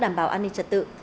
đảm bảo an ninh trật tự